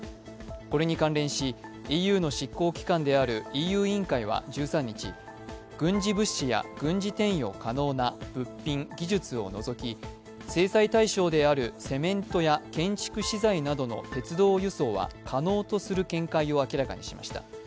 これに関連し、ＥＵの執行委員会であるＥＵ委員会は１３日、軍事物資や軍事転用可能な物品・技術を除き、制裁対象であるセメントや建築資材などの鉄道輸送は可能とする見解を明らかにしました。